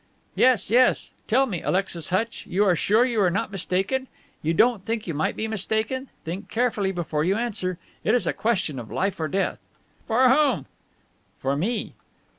"Yes, yes. Tell me, Alexis Hutch, you are sure you are not mistaken? You don't think you might be mistaken? Think carefully before you answer. It is a question of life or death." "For whom?" "For me."